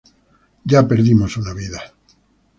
Ya perdimos una vida.